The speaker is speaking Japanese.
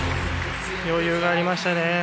余裕がありましたね。